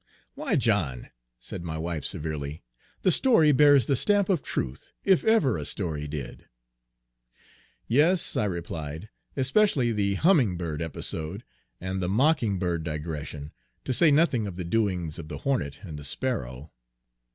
"Why, John!" said my wife severely, "the story bears the stamp of truth, if ever a story did." "Yes," I replied, "especially the humming bird episode, and the mocking bird digression, to say nothing of the doings of the hornet and the sparrow."